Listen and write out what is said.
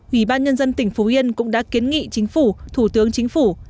ủy ban nhân dân tỉnh phú yên cũng đã kiến nghị chính phủ thủ tướng chính phủ